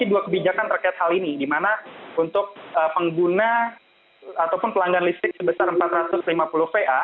dan juga pengguna atau pelanggan listrik sebesar rp empat ratus lima puluh va